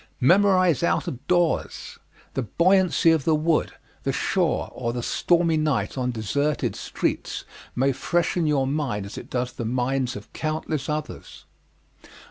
Memorize out of doors. The buoyancy of the wood, the shore, or the stormy night on deserted streets may freshen your mind as it does the minds of countless others.